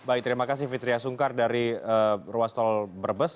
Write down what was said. baik terima kasih fitriah sungkar dari ruas tol brebes